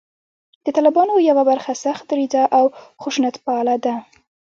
د طالبانو یوه برخه سخت دریځه او خشونتپاله ده